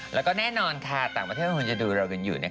แล้วก็แน่นอนค่ะต่างประเทศคงจะดูเรากันอยู่